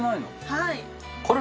はい。